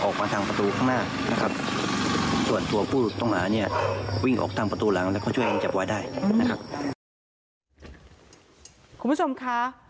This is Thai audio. คุณผู้ชมคะ